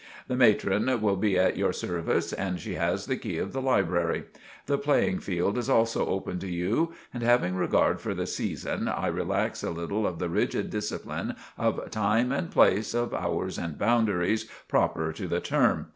The Matron will be at your service and she has the key of the liberary. The playing field is also open to you, and having regard for the seeson I relax a little of the riggid discipline of time and place, of hours and bounderies, proper to the term.